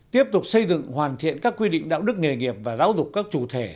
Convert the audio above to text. tiếp tục xây dựng hoàn thiện các quy định đạo đức nghề nghiệp và giáo dục các chủ thể